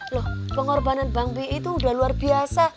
loh pengorbanan bang pih itu udah luar biasa